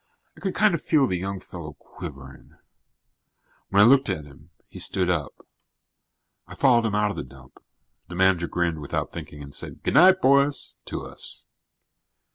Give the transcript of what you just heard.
I could kind of feel the young fellow quivering. When I looked at him, he stood up. I followed him out of the dump. The manager grinned without thinking and said, "G'night, boys," to us.